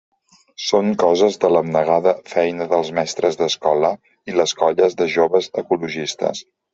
Són coses de l'abnegada feina dels mestres d'escola i les colles de joves ecologistes.